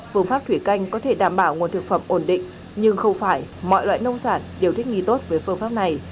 phương pháp thủy canh có thể đảm bảo nguồn thực phẩm ổn định nhưng không phải mọi loại nông sản đều thích nghi tốt với phương pháp này